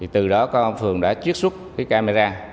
từ đó công an phường đã chiếc xuất camera